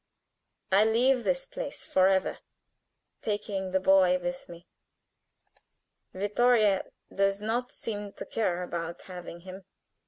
I leave this place forever, taking the boy with me. Vittoria does not seem to care about having him.